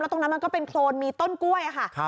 ตรงนั้นมันก็เป็นโครนมีต้นกล้วยค่ะ